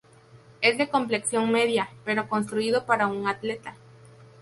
Es de complexión media, pero construido para un atleta.